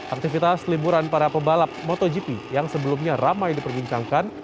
aktivitas liburan para pebalap motogp yang sebelumnya ramai diperbincangkan